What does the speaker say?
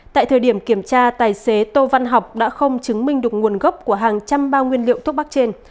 tại thời điểm kiểm tra tài xế tô văn học đã không chứng minh được nguồn gốc của hàng trăm bao nguyên liệu thuốc bắc trên